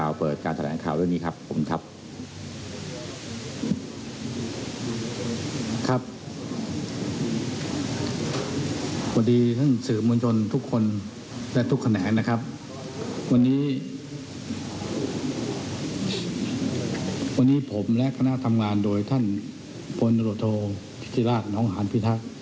วันนี้วันนี้ผมและคณะทำงานโดยท่านพลโรโทพิธิราชน้องหารพิทักษ์